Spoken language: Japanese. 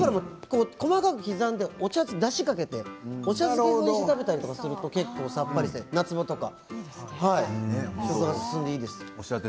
細かく刻んでだしをかけてお茶漬けとして食べたりするとさっぱりして夏場とかいいです。